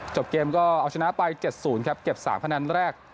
จบเกมก็เอาชนะไป๗๐ครับเก็บ๓คะแนนแรก